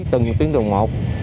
từng tuyến tuần một